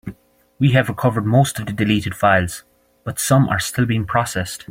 We have recovered most of the deleted files, but some are still being processed.